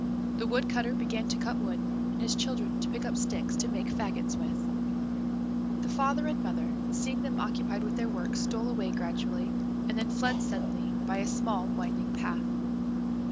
The Woodcutter began to cut wood, and his children to pick up sticks to make faggots with. The father and mother, seeing them occupied with their work, stole away gradually, and then fled suddenly by a small winding path.